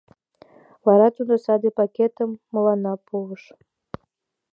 Вара тудо саде пакетым мыланна пуыш.